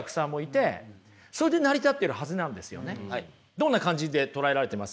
どんな感じで捉えられてます？